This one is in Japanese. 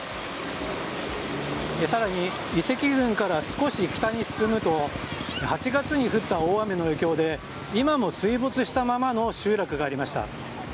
更に、遺跡群から少し北に進むと８月に降った大雨の影響で今も水没したままの集落がありました。